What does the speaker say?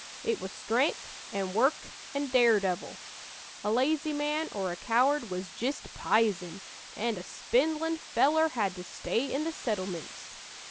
It was stren'th an' work an' daredevil. A lazy man or a coward was jist pizen, an' a spindlin' feller had to stay in the settlemints.